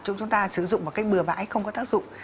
chúng ta sử dụng một cách bừa vãi không có tác dụng